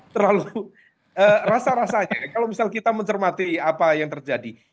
terlalu rasa rasanya kalau misal kita mencermati apa yang terjadi